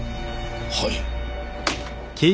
はい。